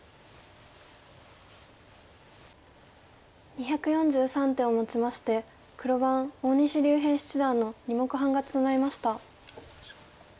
２４３手をもちまして黒番大西竜平七段の２目半勝ちとなりました。